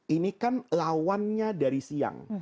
ini kan lawannya dari siang